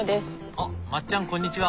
あっまっちゃんこんにちは。